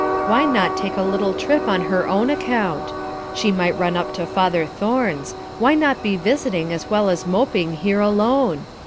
Why not take a little trip on her own account? She might run up to father Thorne's; why not be visiting as well as moping here alone?